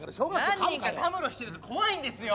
何人かたむろしてると怖いんですよ！